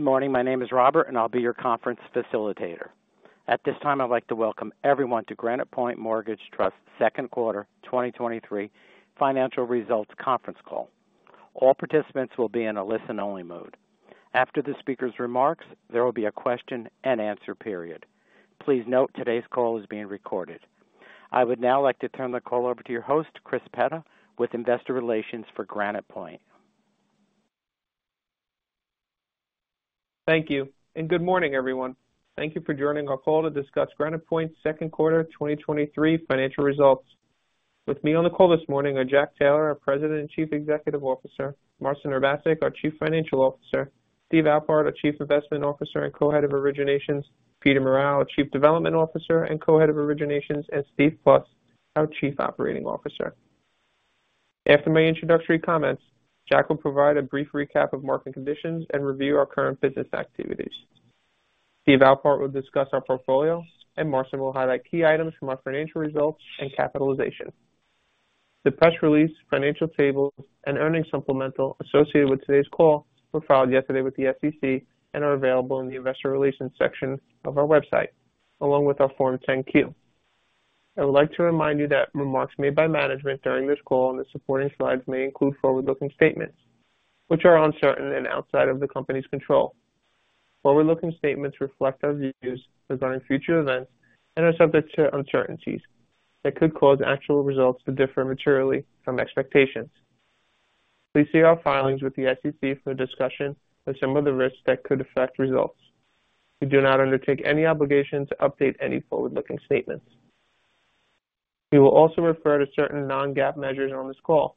Good morning. My name is Robert, and I'll be your conference facilitator. At this time, I'd like to welcome everyone to Granite Point Mortgage Trust second quarter 2023 financial results conference call. All participants will be in a listen-only mode. After the speaker's remarks, there will be a question and answer period. Please note today's call is being recorded. I would now like to turn the call over to your host, Chris Petta, with Investor Relations for Granite Point. Thank you, good morning, everyone. Thank you for joining our call to discuss Granite Point's second quarter 2023 financial results. With me on the call this morning are Jack Taylor, our President and Chief Executive Officer, Marcin Urbaszek, our Chief Financial Officer, Steve Alpart, our Chief Investment Officer and Co-Head of Originations, Peter Morral, our Chief Development Officer and Co-Head of Originations, and Steve Plust, our Chief Operating Officer. After my introductory comments, Jack will provide a brief recap of market conditions and review our current business activities. Steve Alpart will discuss our portfolio, and Marcin will highlight key items from our financial results and capitalization. The press release, financial tables, and earnings supplemental associated with today's call were filed yesterday with the SEC and are available in the Investor Relations section of our website, along with our Form 10-Q. I would like to remind you that remarks made by management during this call and the supporting slides may include forward-looking statements which are uncertain and outside of the company's control. Forward-looking statements reflect our views regarding future events and are subject to uncertainties that could cause actual results to differ materially from expectations. Please see our filings with the SEC for a discussion of some of the risks that could affect results. We do not undertake any obligation to update any forward-looking statements. We will also refer to certain non-GAAP measures on this call.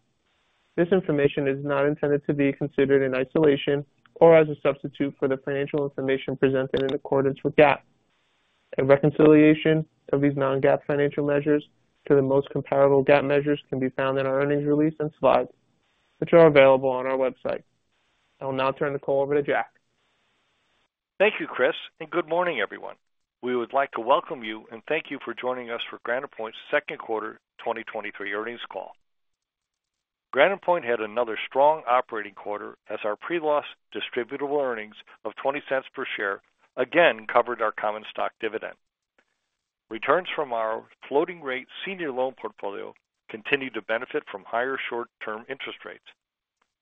This information is not intended to be considered in isolation or as a substitute for the financial information presented in accordance with GAAP. A reconciliation of these non-GAAP financial measures to the most comparable GAAP measures can be found in our earnings release and slides, which are available on our website. I will now turn the call over to Jack. Thank you, Chris, and good morning, everyone. We would like to welcome you and thank you for joining us for Granite Point's second quarter 2023 earnings call. Granite Point had another strong operating quarter as our Pre-loss Distributable Earnings of $0.20 per share again covered our common stock dividend. Returns from our floating rate senior loan portfolio continued to benefit from higher short-term interest rates,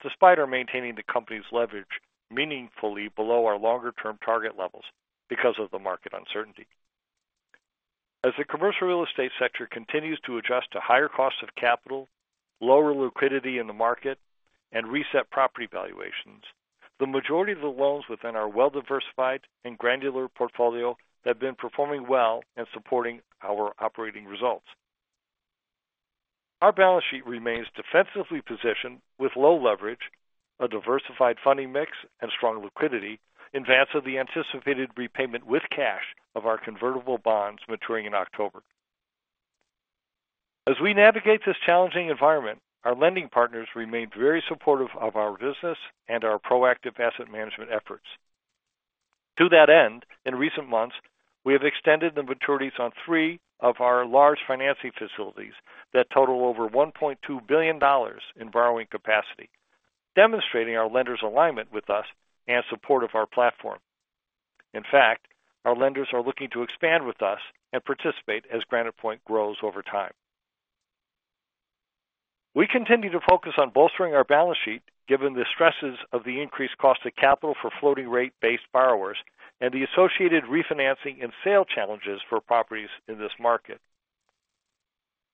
despite our maintaining the company's leverage meaningfully below our longer-term target levels because of the market uncertainty. As the commercial real estate sector continues to adjust to higher costs of capital, lower liquidity in the market, and reset property valuations, the majority of the loans within our well-diversified and granular portfolio have been performing well and supporting our operating results. Our balance sheet remains defensively positioned with low leverage, a diversified funding mix and strong liquidity in advance of the anticipated repayment with cash of our convertible notes maturing in October. As we navigate this challenging environment, our lending partners remained very supportive of our business and our proactive asset management efforts. To that end, in recent months, we have extended the maturities on three of our large financing facilities that total over $1.2 billion in borrowing capacity, demonstrating our lenders' alignment with us and support of our platform. In fact, our lenders are looking to expand with us and participate as Granite Point grows over time. We continue to focus on bolstering our balance sheet, given the stresses of the increased cost of capital for floating rate-based borrowers and the associated refinancing and sale challenges for properties in this market.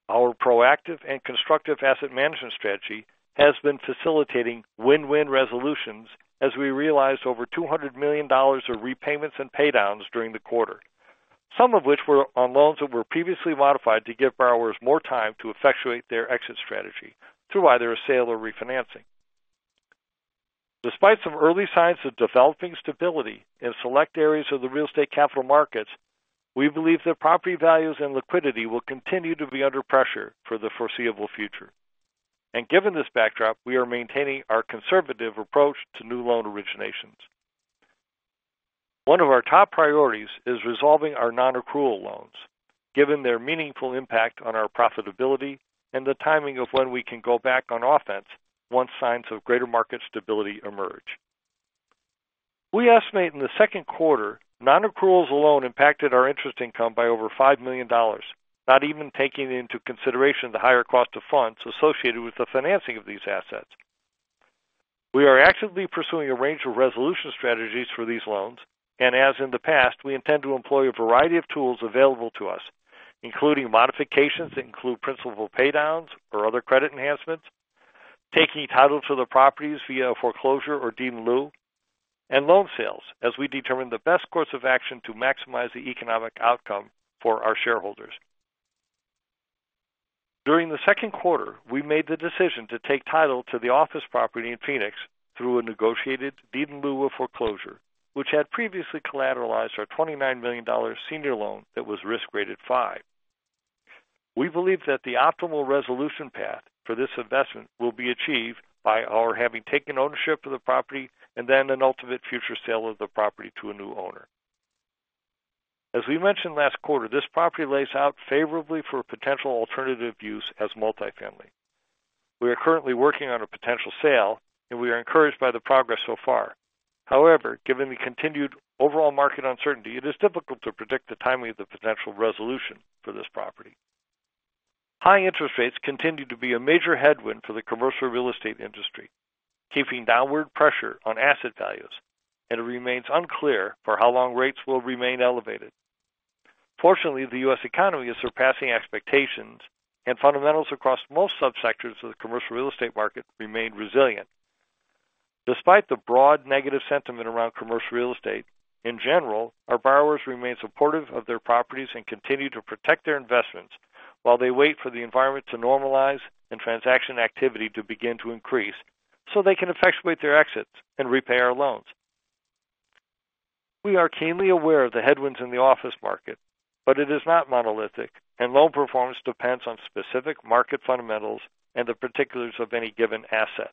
Our proactive and constructive asset management strategy has been facilitating win-win resolutions as we realized over $200 million of repayments and paydowns during the quarter, some of which were on loans that were previously modified to give borrowers more time to effectuate their exit strategy through either a sale or refinancing. Despite some early signs of developing stability in select areas of the real estate capital markets, we believe that property values and liquidity will continue to be under pressure for the foreseeable future. Given this backdrop, we are maintaining our conservative approach to new loan originations. One of our top priorities is resolving our non-accrual loans, given their meaningful impact on our profitability and the timing of when we can go back on offense once signs of greater market stability emerge. We estimate in the second quarter, non-accruals alone impacted our interest income by over $5 million, not even taking into consideration the higher cost of funds associated with the financing of these assets. We are actively pursuing a range of resolution strategies for these loans, and as in the past, we intend to employ a variety of tools available to us, including modifications that include principal paydowns or other credit enhancements, taking title to the properties via foreclosure or deed in lieu, and loan sales, as we determine the best course of action to maximize the economic outcome for our shareholders. During the second quarter, we made the decision to take title to the office property in Phoenix through a negotiated deed in lieu of foreclosure, which had previously collateralized our $29 million senior loan that was risk-graded five. We believe that the optimal resolution path for this investment will be achieved by our having taken ownership of the property and then an ultimate future sale of the property to a new owner. As we mentioned last quarter, this property lays out favorably for potential alternative use as multifamily. We are currently working on a potential sale, and we are encouraged by the progress so far. However, given the continued overall market uncertainty, it is difficult to predict the timing of the potential resolution for this property. High interest rates continue to be a major headwind for the commercial real estate industry, keeping downward pressure on asset values, and it remains unclear for how long rates will remain elevated. Fortunately, the U.S. economy is surpassing expectations, and fundamentals across most subsectors of the commercial real estate market remain resilient. Despite the broad negative sentiment around commercial real estate, in general, our borrowers remain supportive of their properties and continue to protect their investments while they wait for the environment to normalize and transaction activity to begin to increase so they can effectuate their exits and repay our loans. We are keenly aware of the headwinds in the office market, but it is not monolithic, and loan performance depends on specific market fundamentals and the particulars of any given asset.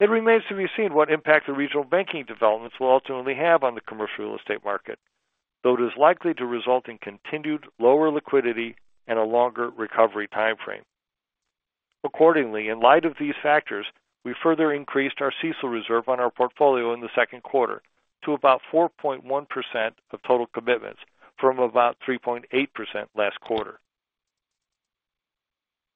It remains to be seen what impact the regional banking developments will ultimately have on the commercial real estate market, though it is likely to result in continued lower liquidity and a longer recovery time frame. Accordingly, in light of these factors, we further increased our CECL reserve on our portfolio in the second quarter to about 4.1% of total commitments, from about 3.8% last quarter.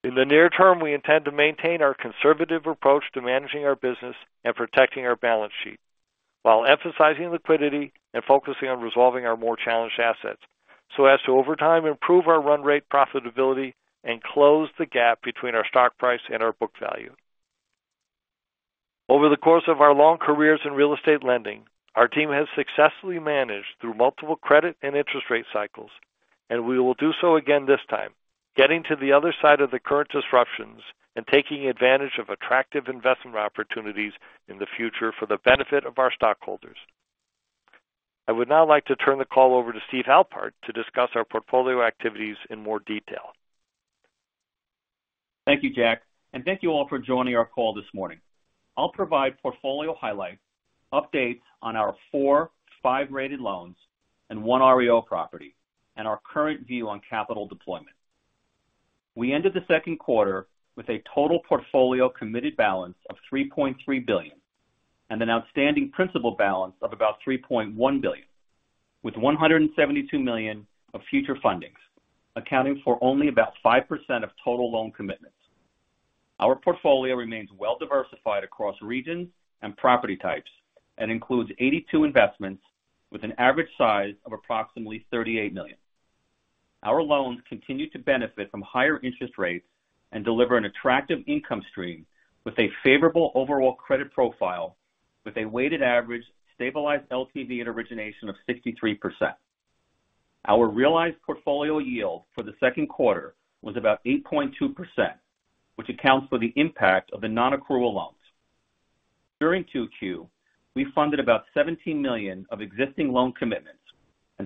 In the near term, we intend to maintain our conservative approach to managing our business and protecting our balance sheet, while emphasizing liquidity and focusing on resolving our more challenged assets, so as to, over time, improve our run rate profitability and close the gap between our stock price and our book value. Over the course of our long careers in real estate lending, our team has successfully managed through multiple credit and interest rate cycles, and we will do so again this time, getting to the other side of the current disruptions and taking advantage of attractive investment opportunities in the future for the benefit of our stockholders. I would now like to turn the call over to Steve Alpart to discuss our portfolio activities in more detail. Thank you, Jack, thank you all for joining our call this morning. I'll provide portfolio highlights, updates on our four, five rated loans and one REO property, and our current view on capital deployment. We ended the second quarter with a total portfolio committed balance of $3.3 billion and an outstanding principal balance of about $3.1 billion, with $172 million of future fundings, accounting for only about 5% of total loan commitments. Our portfolio remains well diversified across regions and property types and includes 82 investments with an average size of approximately $38 million. Our loans continue to benefit from higher interest rates and deliver an attractive income stream with a favorable overall credit profile, with a weighted average stabilized LTV at origination of 63%. Our realized portfolio yield for the second quarter was about 8.2%, which accounts for the impact of the nonaccrual loans. During 2Q, we funded about $17 million of existing loan commitments.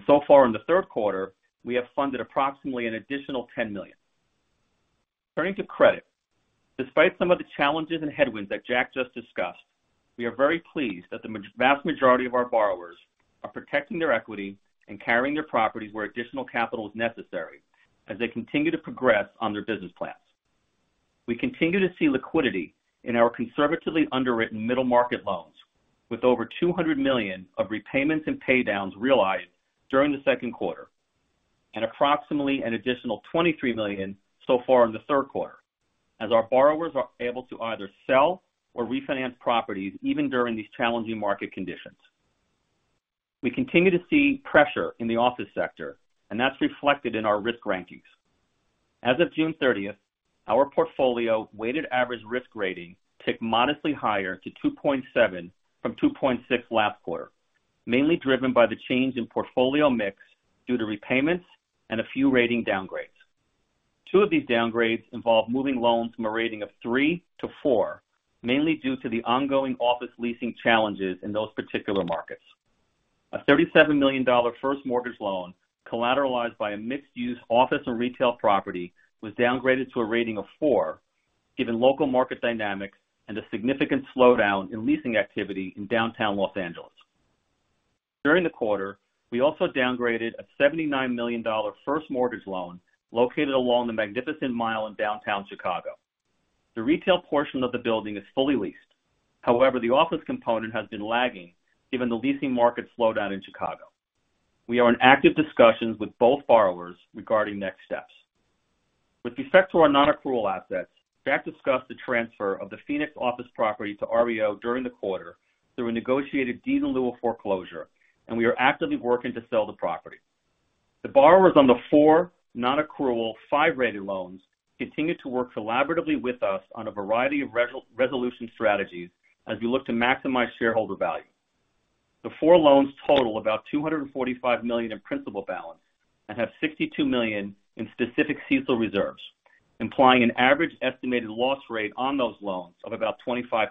So far in the third quarter, we have funded approximately an additional $10 million. Turning to credit. Despite some of the challenges and headwinds that Jack just discussed, we are very pleased that the vast majority of our borrowers are protecting their equity and carrying their properties where additional capital is necessary as they continue to progress on their business plans. We continue to see liquidity in our conservatively underwritten middle market loans, with over $200 million of repayments and pay downs realized during the second quarter, and approximately an additional $23 million so far in the third quarter, as our borrowers are able to either sell or refinance properties even during these challenging market conditions. We continue to see pressure in the office sector, and that's reflected in our risk rankings. As of June 30th, our portfolio weighted average risk rating ticked modestly higher to 2.7 from 2.6 last quarter, mainly driven by the change in portfolio mix due to repayments and a few rating downgrades. Two of these downgrades involve moving loans from a rating of 3 to 4, mainly due to the ongoing office leasing challenges in those particular markets. A $37 million first mortgage loan, collateralized by a mixed-use office and retail property, was downgraded to a rating of four, given local market dynamics and a significant slowdown in leasing activity in downtown Los Angeles. During the quarter, we also downgraded a $79 million first mortgage loan located along the Magnificent Mile in downtown Chicago. The retail portion of the building is fully leased. The office component has been lagging given the leasing market slowdown in Chicago. We are in active discussions with both borrowers regarding next steps. With respect to our nonaccrual assets, Jack discussed the transfer of the Phoenix office property to REO during the quarter through a negotiated deed in lieu of foreclosure. We are actively working to sell the property. The borrowers on the four nonaccrual, five rated loans continue to work collaboratively with us on a variety of resolution strategies as we look to maximize shareholder value. The four loans total about $245 million in principal balance and have $62 million in specific CECL reserves, implying an average estimated loss rate on those loans of about 25%.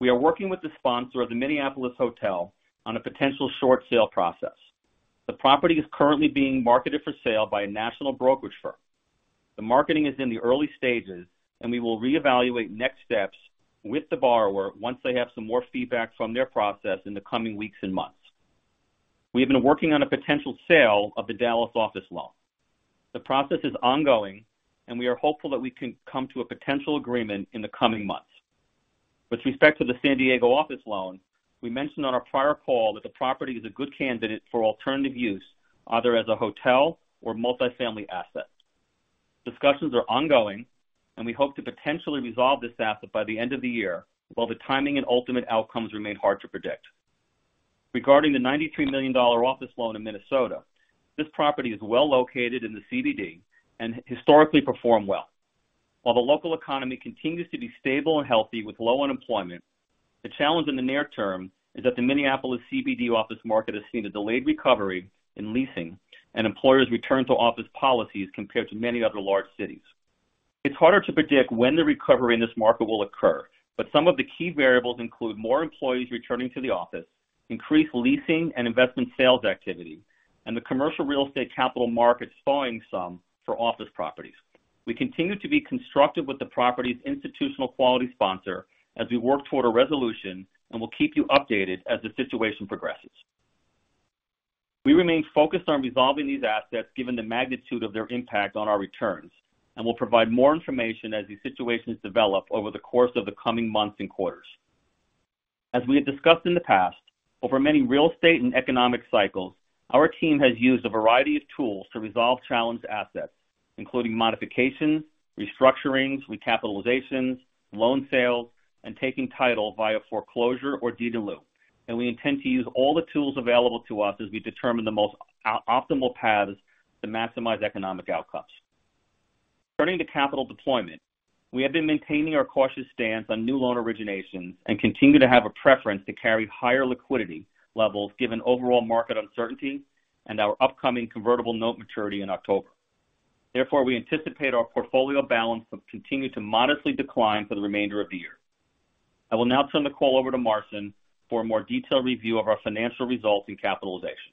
We are working with the sponsor of the Minneapolis hotel on a potential short sale process. The property is currently being marketed for sale by a national brokerage firm. The marketing is in the early stages, and we will reevaluate next steps with the borrower once they have some more feedback from their process in the coming weeks and months. We have been working on a potential sale of the Dallas office loan. The process is ongoing. We are hopeful that we can come to a potential agreement in the coming months. With respect to the San Diego office loan, we mentioned on our prior call that the property is a good candidate for alternative use, either as a hotel or multifamily asset. Discussions are ongoing. We hope to potentially resolve this asset by the end of the year, while the timing and ultimate outcomes remain hard to predict. Regarding the $93 million office loan in Minnesota, this property is well located in the CBD and historically performed well. While the local economy continues to be stable and healthy with low unemployment, the challenge in the near term is that the Minneapolis CBD office market has seen a delayed recovery in leasing and employers return to office policies compared to many other large cities. It's harder to predict when the recovery in this market will occur, but some of the key variables include more employees returning to the office, increased leasing and investment sales activity, and the commercial real estate capital market slowing some for office properties. We continue to be constructive with the property's institutional quality sponsor as we work toward a resolution. We'll keep you updated as the situation progresses. We remain focused on resolving these assets, given the magnitude of their impact on our returns, and we'll provide more information as these situations develop over the course of the coming months and quarters. As we have discussed in the past, over many real estate and economic cycles, our team has used a variety of tools to resolve challenged assets, including modifications, restructurings, recapitalizations, loan sales, and taking title via foreclosure or deed in lieu. We intend to use all the tools available to us as we determine the most optimal paths to maximize economic outcomes. Turning to capital deployment. We have been maintaining our cautious stance on new loan originations and continue to have a preference to carry higher liquidity levels, given overall market uncertainty and our upcoming convertible note maturity in October. We anticipate our portfolio balance will continue to modestly decline for the remainder of the year. I will now turn the call over to Marcin for a more detailed review of our financial results and capitalization.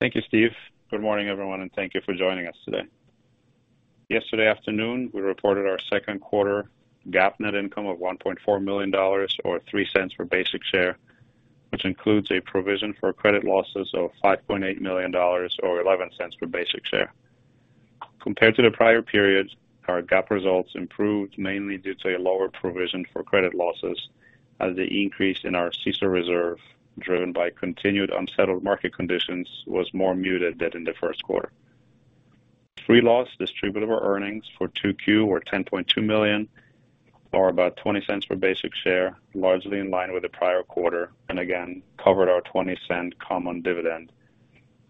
Thank you, Steve. Good morning, everyone, and thank you for joining us today. Yesterday afternoon, we reported our second quarter GAAP net income of $1.4 million, or $0.03 per basic share, which includes a provision for credit losses of $5.8 million, or $0.11 per basic share. Compared to the prior periods, our GAAP results improved mainly due to a lower provision for credit losses, as the increase in our CECL reserve, driven by continued unsettled market conditions, was more muted than in the first quarter. Pre-loss Distributable Earnings for 2Q were $10.2 million, or about $0.20 per basic share, largely in line with the prior quarter, and again covered our $0.20 common dividend,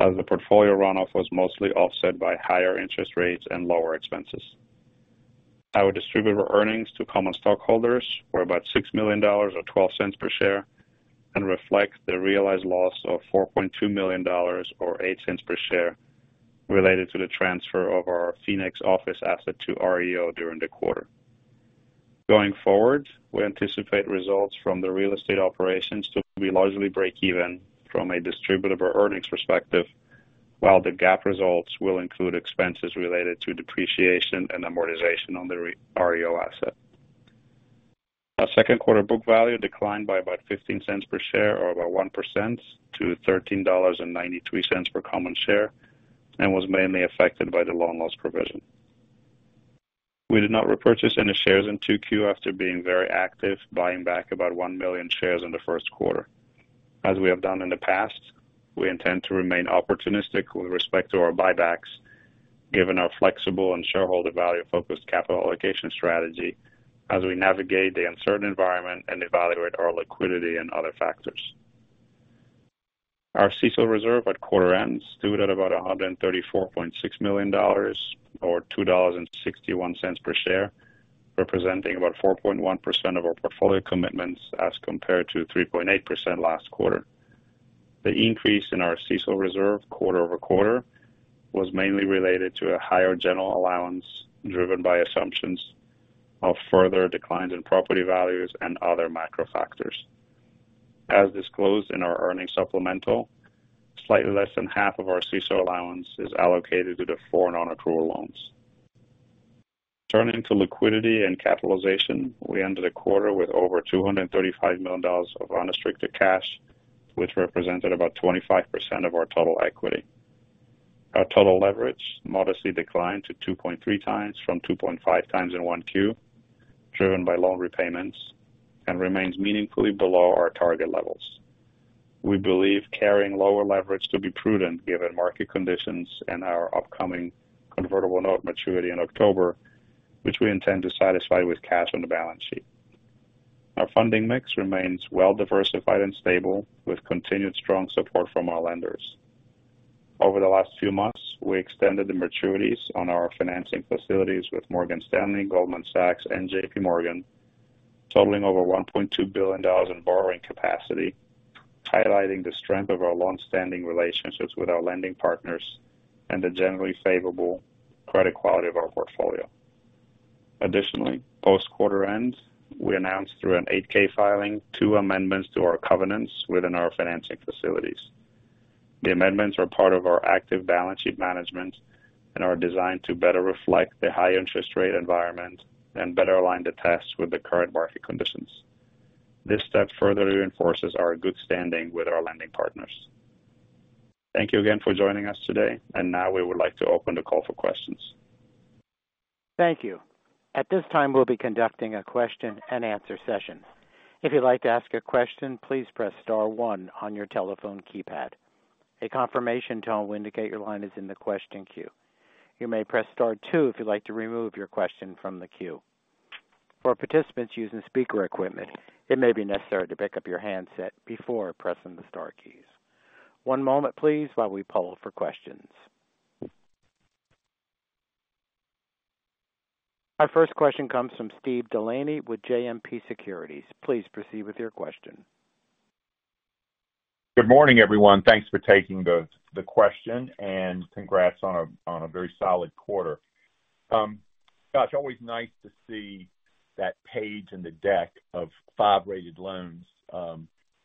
as the portfolio runoff was mostly offset by higher interest rates and lower expenses. Our Distributable Earnings to common stockholders were about $6 million, or $0.12 per share, reflect the realized loss of $4.2 million or $0.08 per share related to the transfer of our Phoenix office asset to REO during the quarter. Going forward, we anticipate results from the real estate operations to be largely break even from a Distributable Earnings perspective, while the GAAP results will include expenses related to depreciation and amortization on the REO asset. Our second quarter book value declined by about $0.15 per share, or about 1% to $13.93 per common share, was mainly affected by the loan loss provision. We did not repurchase any shares in 2Q after being very active, buying back about 1 million shares in the first quarter. As we have done in the past, we intend to remain opportunistic with respect to our buybacks, given our flexible and shareholder value-focused capital allocation strategy as we navigate the uncertain environment and evaluate our liquidity and other factors. Our CECL reserve at quarter end stood at about $134.6 million or $2.61 per share, representing about 4.1% of our portfolio commitments, as compared to 3.8% last quarter. The increase in our CECL reserve quarter-over-quarter was mainly related to a higher general allowance, driven by assumptions of further declines in property values and other macro factors. As disclosed in our earnings supplemental, slightly less than half of our CECL allowance is allocated to the foreign on-accrual loans. Turning to liquidity and capitalization, we ended the quarter with over $235 million of unrestricted cash, which represented about 25% of our total equity. Our total leverage modestly declined to 2.3x from 2.5x in 1Q, driven by loan repayments and remains meaningfully below our target levels. We believe carrying lower leverage to be prudent given market conditions and our upcoming convertible note maturity in October, which we intend to satisfy with cash on the balance sheet. Our funding mix remains well diversified and stable, with continued strong support from our lenders. Over the last few months, we extended the maturities on our financing facilities with Morgan Stanley, Goldman Sachs, and JP Morgan, totaling over $1.2 billion in borrowing capacity, highlighting the strength of our longstanding relationships with our lending partners and the generally favorable credit quality of our portfolio. Post quarter end, we announced through an 8-K filing, two amendments to our covenants within our financing facilities. The amendments are part of our active balance sheet management and are designed to better reflect the high interest rate environment and better align the tests with the current market conditions. This step further reinforces our good standing with our lending partners. Thank you again for joining us today. Now we would like to open the call for questions. Thank you. At this time, we'll be conducting a question-and-answer session. If you'd like to ask a question, please press star one on your telephone keypad. A confirmation tone will indicate your line is in the question queue. You may press star two if you'd like to remove your question from the queue. For participants using speaker equipment, it may be necessary to pick up your handset before pressing the star keys. One moment please, while we poll for questions. Our first question comes from Steve DeLaney with JMP Securities. Please proceed with your question. Good morning, everyone. Thanks for taking the question, and congrats on a very solid quarter. Scott, it's always nice to see that page in the deck of five rated loans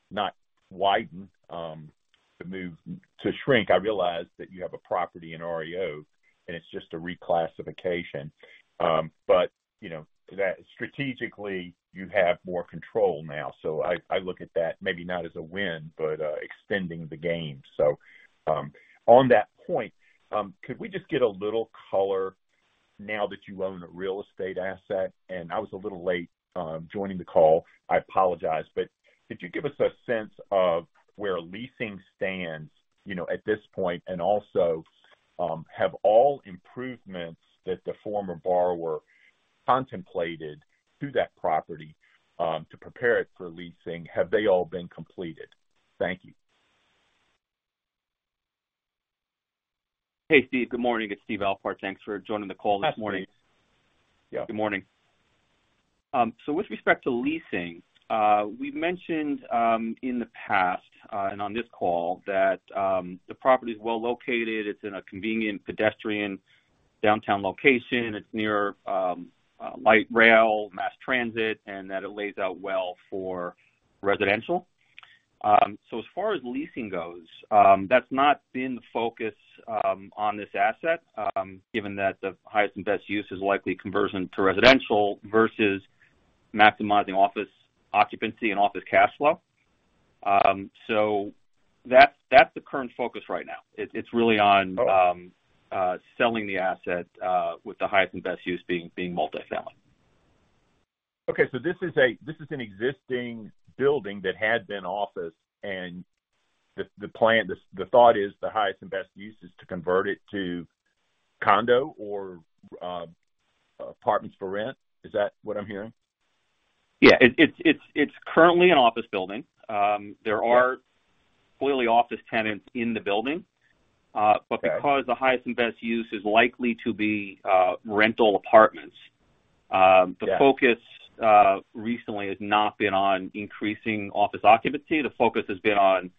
not widen to shrink. I realize that you have a property in REO, and it's just a reclassification. You know, that strategically you have more control now. I, I look at that maybe not as a win, but extending the game. On that point, could we just get a little color now that you own a real estate asset? I was a little late joining the call. I apologize, but could you give us a sense of where leasing stands, you know, at this point, and also, have all improvements that the former borrower contemplated through that property, to prepare it for leasing, have they all been completed? Thank you. Hey, Steve. Good morning. It's Steve Alpart. Thanks for joining the call this morning. Yeah. Good morning. With respect to leasing, we've mentioned in the past, and on this call, that the property is well located. It's in a convenient pedestrian downtown location. It's near light rail, mass transit, and that it lays out well for residential. As far as leasing goes, that's not been the focus on this asset, given that the highest and best use is likely conversion to residential versus maximizing office occupancy and office cash flow. That's, that's the current focus right now. It, it's really on selling the asset, with the highest and best use being, being multifamily. Okay, this is an existing building that had been office, and the plan, the thought is the highest and best use is to convert it to condo or apartments for rent. Is that what I'm hearing? Yeah, it's currently an office building. Yeah clearly office tenants in the building. Okay. Because the highest and best use is likely to be rental apartments. Yeah... the focus recently has not been on increasing office occupancy. The focus has been on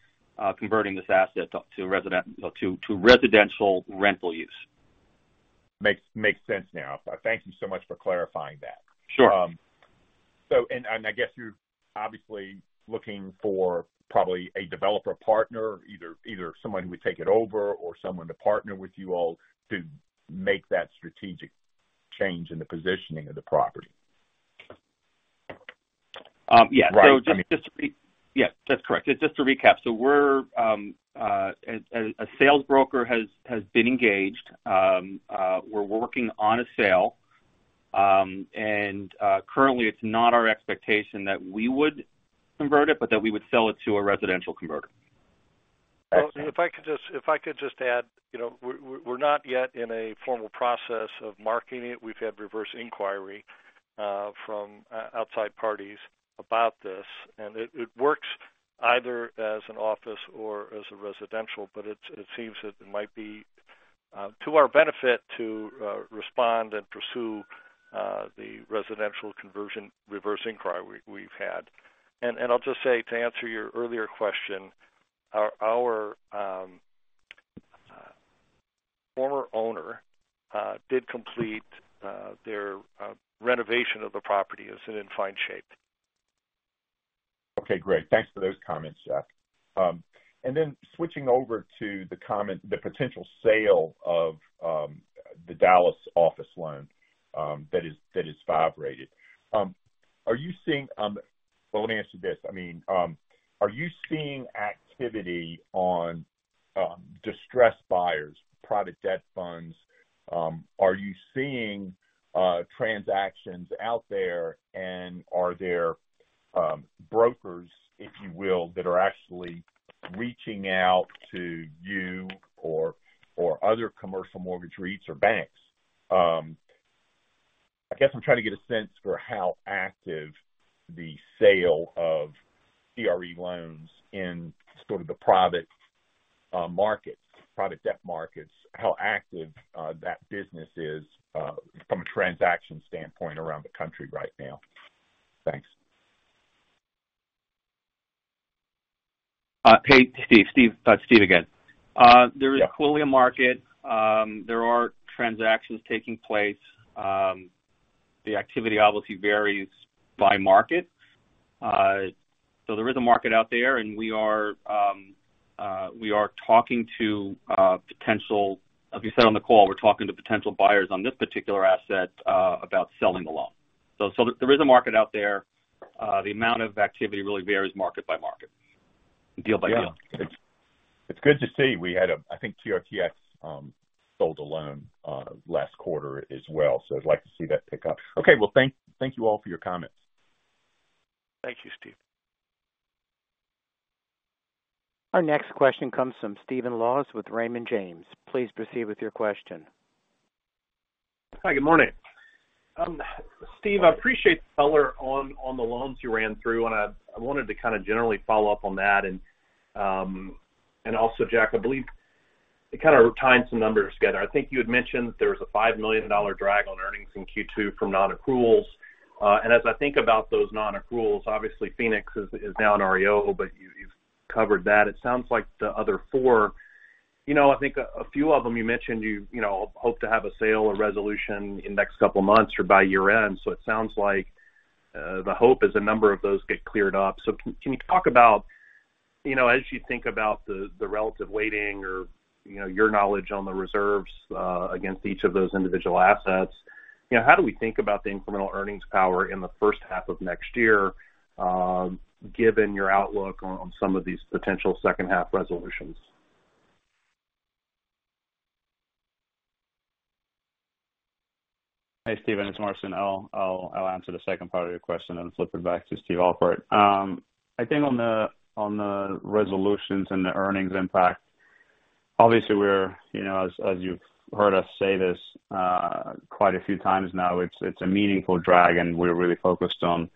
converting this asset to residential rental use. Makes, makes sense now. Thank you so much for clarifying that. Sure. I guess you're obviously looking for probably a developer partner, either, either someone who would take it over or someone to partner with you all to make that strategic change in the positioning of the property. Yeah. Right. Just, just to... Yeah, that's correct. Just to recap, a sales broker has been engaged. We're working on a sale. Currently it's not our expectation that we would convert it, but that we would sell it to a residential converter. I see. If I could just, if I could just add, we're, we're, we're not yet in a formal process of marketing it. We've had reverse inquiry from outside parties about this, and it, it works either as an office or as a residential, but it, it seems that it might be to our benefit to respond and pursue the residential conversion reverse inquiry we, we've had. I'll just say, to answer your earlier question, our, our former owner did complete their renovation of the property. It's in fine shape. Okay, great. Thanks for those comments, Jack. Then switching over to the potential sale of the Dallas office loan that is five rated. Are you seeing... Well, let me ask you this: I mean, are you seeing activity on distressed buyers, private debt funds? Are you seeing transactions out there, and are there brokers, if you will, that are actually reaching out to you or other commercial mortgage REITs or banks? I guess I'm trying to get a sense for how active the sale of CRE loans in sort of the private markets, private debt markets, how active that business is from a transaction standpoint around the country right now. Thanks.... Hey, Steve. Steve, Steve again. There is clearly a market. There are transactions taking place. The activity obviously varies by market. There is a market out there, and we are talking to, as we said on the call, we're talking to potential buyers on this particular asset, about selling the loan. There is a market out there. The amount of activity really varies market by market, deal by deal. Yeah. It's, it's good to see. We had a-- I think TRTX sold a loan last quarter as well, so I'd like to see that pick up. Okay, well, thank, thank you all for your comments. Thank you, Steve. Our next question comes from Stephen Laws with Raymond James. Please proceed with your question. Hi, good morning. Steve, I appreciate the color on, on the loans you ran through, and I, I wanted to kind of generally follow up on that. Also, Jack, I believe to kind of tie in some numbers together. I think you had mentioned there was a $5 million drag on earnings in Q2 from non-accruals. As I think about those non-accruals, obviously Phoenix is, is now an REO, but you, you've covered that. It sounds like the other four, you know, I think a few of them you mentioned you, you know, hope to have a sale or resolution in the next couple of months or by year-end. It sounds like the hope is a number of those get cleared up. Can, can you talk about, you know, as you think about the, the relative weighting or, you know, your knowledge on the reserves, against each of those individual assets, you know, how do we think about the incremental earnings power in the first half of next year, given your outlook on, on some of these potential second half resolutions? Hey, Stephen, it's Marcin. I'll answer the second part of your question and then flip it back to Steve Alpart. I think on the, on the resolutions and the earnings impact, obviously, we're, you know, as, as you've heard us say this, quite a few times now, it's, it's a meaningful drag, and we're really focused on,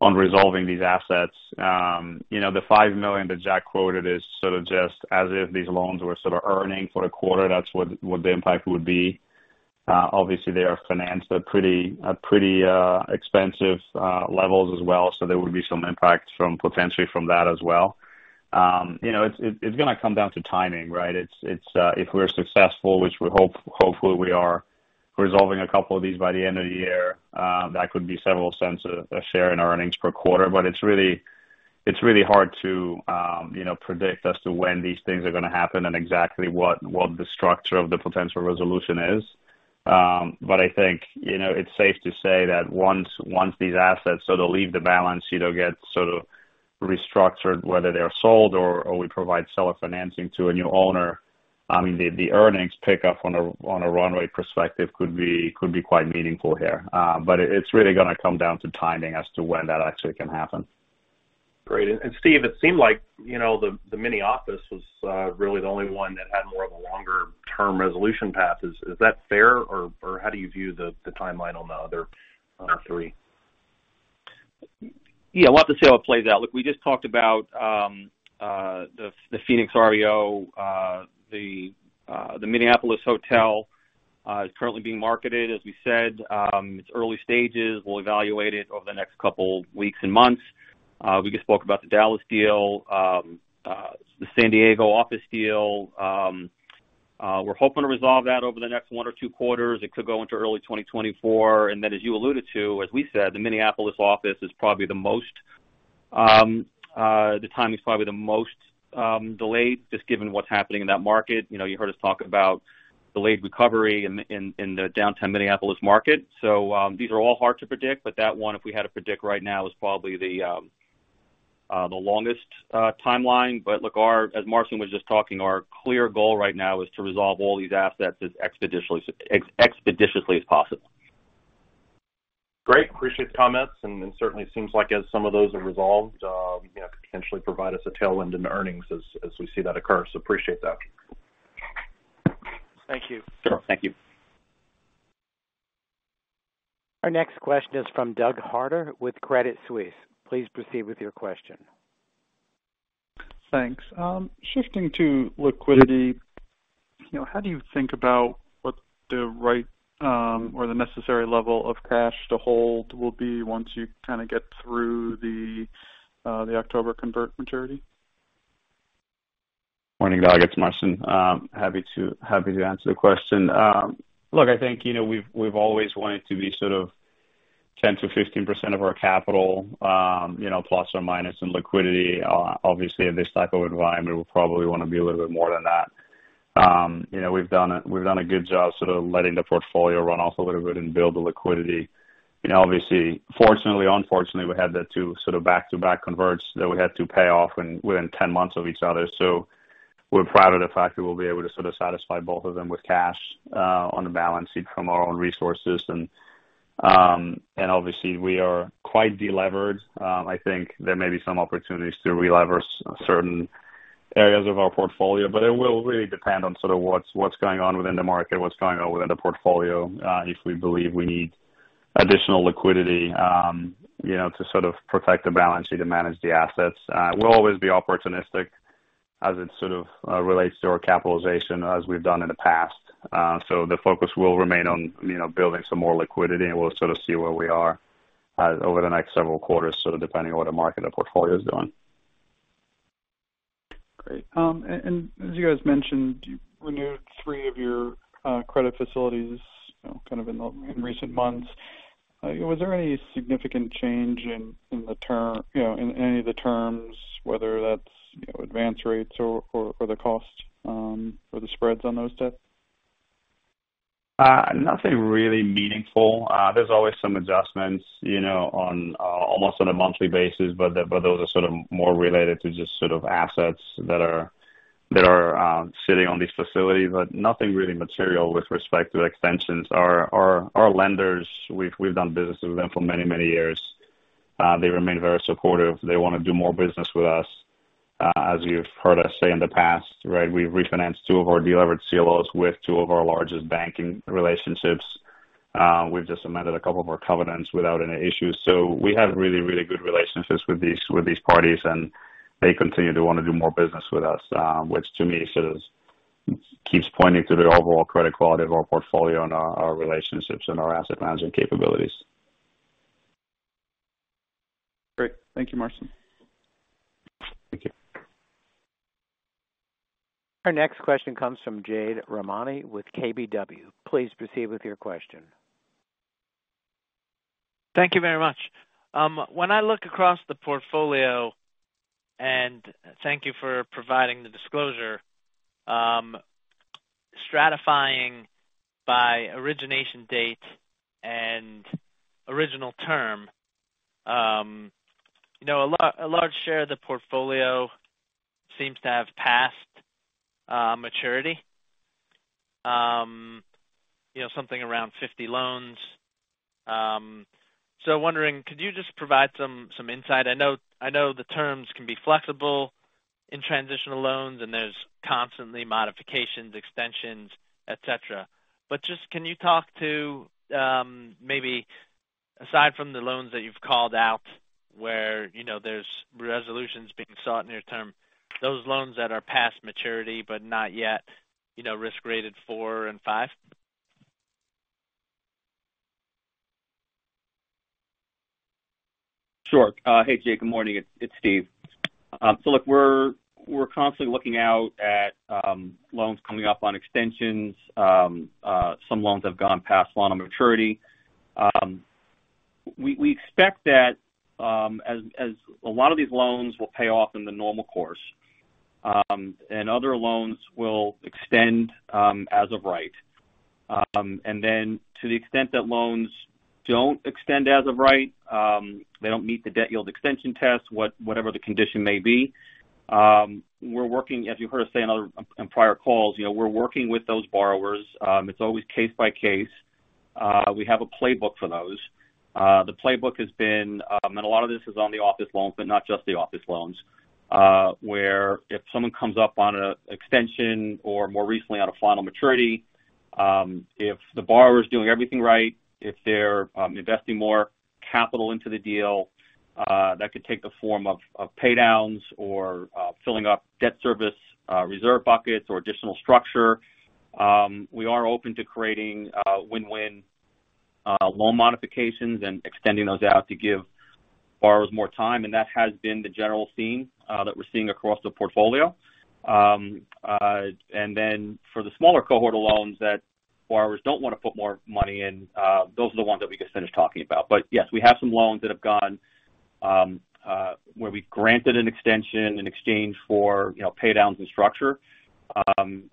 on resolving these assets. You know, the $5 million that Jack quoted is sort of just as if these loans were sort of earning for a quarter. That's what the impact would be. Obviously, they are financed at pretty expensive levels as well, there would be some impact from potentially from that as well. You know, it's going to come down to timing, right? It's, it's, if we're successful, which hopefully we are resolving a couple of these by the end of the year, that could be several cents a share in our earnings per quarter. It's really, it's really hard to, you know, predict as to when these things are going to happen and exactly what the structure of the potential resolution is. I think, you know, it's safe to say that once these assets sort of leave the balance, you know, get sort of restructured, whether they are sold or we provide seller financing to a new owner, I mean, the earnings pick up on a runway perspective could be quite meaningful here. It's really going to come down to timing as to when that actually can happen. Great. Steve, it seemed like, you know, the Minneapolis office was really the only one that had more of a longer-term resolution path. Is that fair, or how do you view the timeline on the other 3? Yeah, we'll have to see how it plays out. Look, we just talked about the Phoenix REO. The Minneapolis hotel is currently being marketed, as we said. It's early stages. We'll evaluate it over the next two weeks and months. We just spoke about the Dallas deal. The San Diego office deal, we're hoping to resolve that over the next one or two quarters. It could go into early 2024. As you alluded to, as we said, the Minneapolis office is probably the most, the timing is probably the most delayed, just given what's happening in that market. You know, you heard us talk about delayed recovery in the downtown Minneapolis market. These are all hard to predict, but that one, if we had to predict right now, is probably the, the longest, timeline. Look, as Marcin was just talking, our clear goal right now is to resolve all these assets as expeditiously as possible. Great. Appreciate the comments. Certainly it seems like as some of those are resolved, you know, potentially provide us a tailwind in earnings as, as we see that occur. Appreciate that. Thank you. Sure. Thank you. Our next question is from Doug Harter with Credit Suisse. Please proceed with your question. Thanks. Shifting to liquidity, you know, how do you think about what the right, or the necessary level of cash to hold will be once you kind of get through the, the October convert maturity? Morning, Doug. It's Marcin. Happy to, happy to answer the question. Look, I think, you know, we've, we've always wanted to be sort of 10%-15% of our capital, you know, plus or minus in liquidity. Obviously, in this type of environment, we'll probably want to be a little bit more than that. You know, we've done a, we've done a good job sort of letting the portfolio run off a little bit and build the liquidity. You know, obviously, fortunately, unfortunately, we had the two sort of back-to-back converts that we had to pay off within 10 months of each other. We're proud of the fact that we'll be able to sort of satisfy both of them with cash on the balance sheet from our own resources. Obviously, we are quite delevered. I think there may be some opportunities to relever certain areas of our portfolio, but it will really depend on what's, what's going on within the market, what's going on within the portfolio, if we believe we need additional liquidity, you know, to protect the balance sheet and manage the assets. We'll always be opportunistic, as it relates to our capitalization as we've done in the past. The focus will remain on, you know, building some more liquidity, and we'll see where we are over the next several quarters, depending on what the market our portfolio is doing. Great. As you guys mentioned, you renewed three of your credit facilities, you know, kind of in the recent months. Was there any significant change in the term, you know, in any of the terms, whether that's, you know, advance rates or the cost or the spreads on those debts? Nothing really meaningful. There's always some adjustments, you know, on almost on a monthly basis, but those are sort of more related to just sort of assets that are, that are sitting on these facilities, but nothing really material with respect to the extensions. Our lenders, we've done business with them for many, many years. They remain very supportive. They want to do more business with us, as you've heard us say in the past, right? We've refinanced two of our delevered CLOs with two of our largest banking relationships. We've just amended a couple of more covenants without any issues. We have really, really good relationships with these, with these parties, and they continue to want to do more business with us, which to me sort of keeps pointing to the overall credit quality of our portfolio and our, our relationships and our asset management capabilities. Great. Thank you, Marcin. Thank you. Our next question comes from Jade Rahmani with KBW. Please proceed with your question. Thank you very much. When I look across the portfolio, and thank you for providing the disclosure, stratifying by origination date and original term, you know, a large share of the portfolio seems to have passed maturity. You know, something around 50 loans. I'm wondering, could you just provide some, some insight? I know, I know the terms can be flexible in transitional loans, and there's constantly modifications, extensions, et cetera. But just, can you talk to, maybe aside from the loans that you've called out, where, you know, there's resolutions being sought near term, those loans that are past maturity, but not yet, you know, risk-graded four and five? Sure. Hey, Jade, good morning. It's, it's Steve. Look, we're, we're constantly looking out at loans coming up on extensions. Some loans have gone past loan maturity. We, we expect that, as, as a lot of these loans will pay off in the normal course, and other loans will extend as of right. To the extent that loans don't extend as of right, they don't meet the debt yield extension test, whatever the condition may be. We're working, as you heard us say in other, in prior calls, you know, we're working with those borrowers. It's always case by case. We have a playbook for those. The playbook has been, and a lot of this is on the office loans, but not just the office loans, where if someone comes up on a extension or more recently on a final maturity, if the borrower is doing everything right, if they're investing more capital into the deal, that could take the form of pay downs or filling up debt service reserve buckets or additional structure. We are open to creating win-win loan modifications and extending those out to give borrowers more time, and that has been the general theme that we're seeing across the portfolio. For the smaller cohort of loans that borrowers don't want to put more money in, those are the ones that we just finished talking about. Yes, we have some loans that have gone where we've granted an extension in exchange for, you know, pay downs and structure,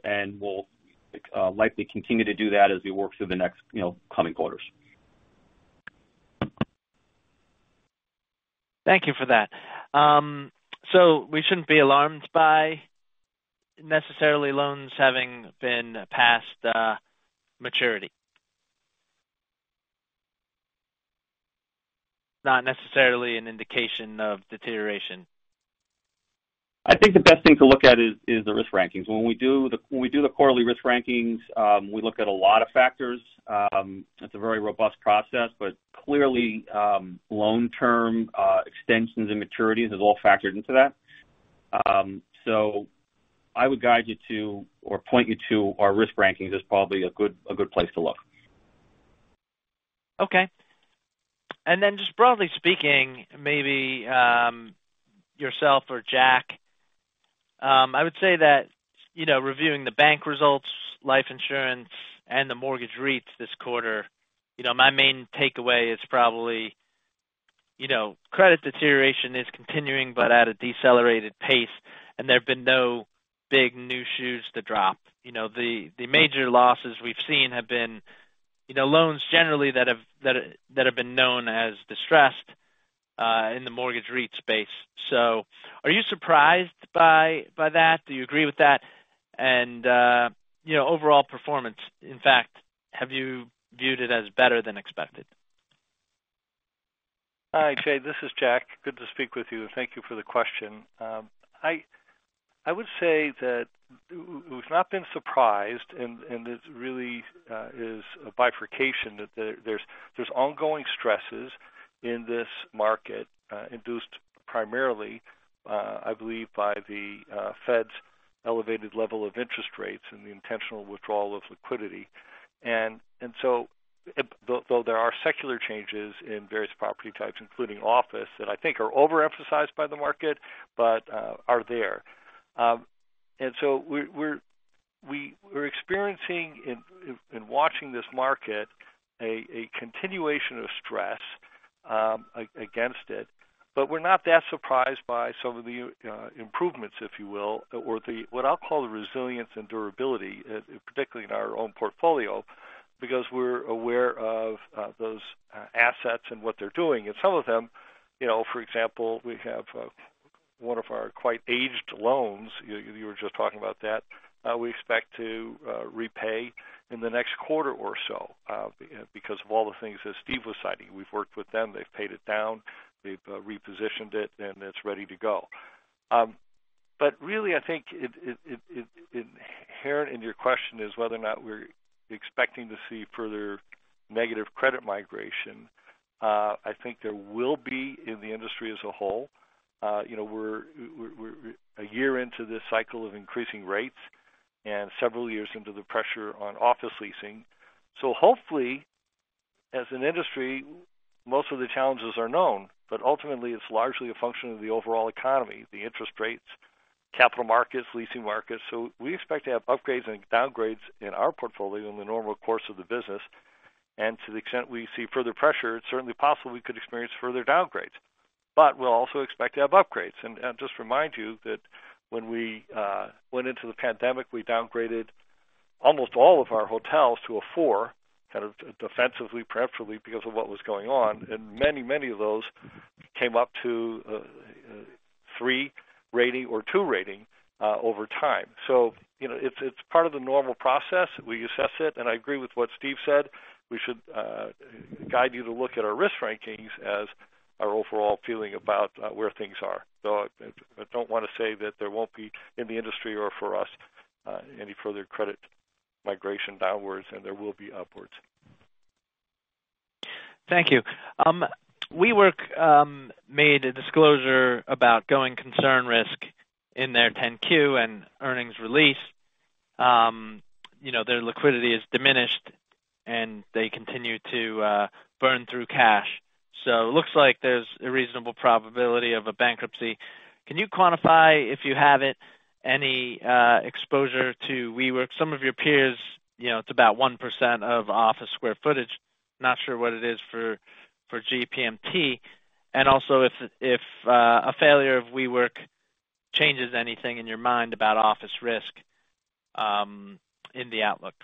and we'll likely continue to do that as we work through the next, you know, coming quarters. Thank you for that. We shouldn't be alarmed by necessarily loans having been past maturity? Not necessarily an indication of deterioration. I think the best thing to look at is, is the risk rankings. When we do the, when we do the quarterly risk rankings, we look at a lot of factors. It's a very robust process, but clearly, loan term, extensions and maturities is all factored into that. I would guide you to, or point you to our risk rankings is probably a good, a good place to look. Okay. Then just broadly speaking, maybe, yourself or Jack, I would say that, you know, reviewing the bank results, life insurance, and the mortgage REITs this quarter, you know, my main takeaway is probably, you know, credit deterioration is continuing, but at a decelerated pace, and there have been no big new shoes to drop. You know, the, the major losses we've seen have been, you know, loans generally that have, that, that have been known as distressed, in the mortgage REIT space. Are you surprised by, by that? Do you agree with that? You know, overall performance, in fact, have you viewed it as better than expected? Hi, Jade, this is Jack. Good to speak with you, and thank you for the question. We've not been surprised, and this really is a bifurcation, that there's ongoing stresses in this market, induced primarily, I believe, by the Fed's elevated level of interest rates and the intentional withdrawal of liquidity. Though there are secular changes in various property types, including office, that I think are overemphasized by the market, but are there. So we're, we're, we, we're experiencing in, in, in watching this market, a, a continuation of stress against it, but we're not that surprised by some of the improvements, if you will, or the, what I'll call the resilience and durability, particularly in our own portfolio, because we're aware of those assets and what they're doing. Some of them, you know, for example, we have one of our quite aged loans, you, you were just talking about that, we expect to repay in the next quarter or so, because of all the things that Steve was citing. We've worked with them. They've paid it down, they've repositioned it, and it's ready to go. Really, I think it, it, it, it, inherent in your question is whether or not we're expecting to see further negative credit migration. I think there will be in the industry as a whole. You know, we're, we're, we're a year into this cycle of increasing rates and several years into the pressure on office leasing. Hopefully, as an industry, most of the challenges are known, but ultimately, it's largely a function of the overall economy, the interest rates, capital markets, leasing markets. We expect to have upgrades and downgrades in our portfolio in the normal course of the business, and to the extent we see further pressure, it's certainly possible we could experience further downgrades. We'll also expect to have upgrades. Just to remind you that when we went into the pandemic, we downgraded almost all of our hotels to a four, kind of defensively, preemptively, because of what was going on, and many, many of those came up to a three rating or two rating over time. You know, it's, it's part of the normal process. We assess it, and I agree with what Steve said. We should guide you to look at our risk rankings as our overall feeling about where things are. I, I don't want to say that there won't be, in the industry or for us, any further credit migration downwards, and there will be upwards. Thank you. WeWork made a disclosure about going concern risk in their 10-Q and earnings release. You know, their liquidity is diminished, and they continue to burn through cash. Looks like there's a reasonable probability of a bankruptcy. Can you quantify, if you have it, any exposure to WeWork? Some of your peers, you know, it's about 1% of office square footage. Not sure what it is for GPMT. Also, if a failure of WeWork changes anything in your mind about office risk in the outlook.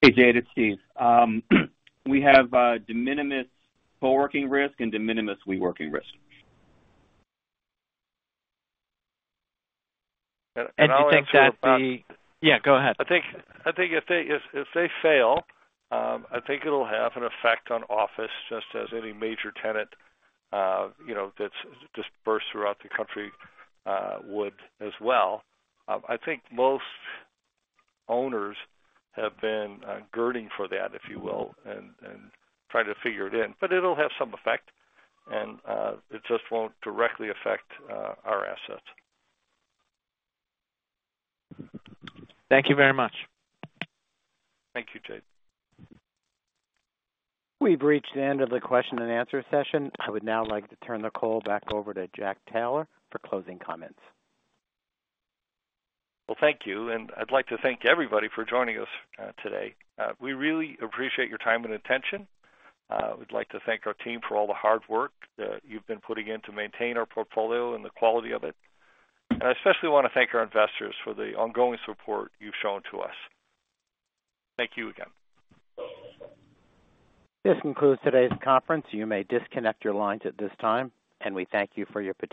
Hey, Jay, it's Steve. We have de minimis coworking risk and de minimis WeWork risk. I'll answer. Yeah, go ahead. I think, I think if they, if, if they fail, I think it'll have an effect on office, just as any major tenant, you know, that's dispersed throughout the country, would as well. I think most owners have been girding for that, if you will, and trying to figure it in. It'll have some effect, and it just won't directly affect our assets. Thank you very much. Thank you, Jay. We've reached the end of the question and answer session. I would now like to turn the call back over to Jack Taylor for closing comments. Well, thank you, and I'd like to thank everybody for joining us today. We really appreciate your time and attention. We'd like to thank our team for all the hard work that you've been putting in to maintain our portfolio and the quality of it. I especially want to thank our investors for the ongoing support you've shown to us. Thank you again. This concludes today's conference. You may disconnect your lines at this time, and we thank you for your participation.